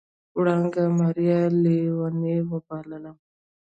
وړانګې ماريا ليونۍ وبلله.